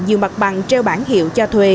nhiều mặt bằng treo bản hiệu cho thuê